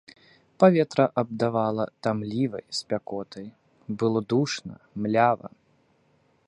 Паветра абдавала тамлівай спякотай, было душна, млява.